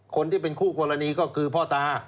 คนที่เป็นคู่กรณีก็คือพ่อตา